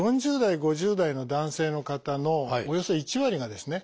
４０代５０代の男性の方のおよそ１割がですね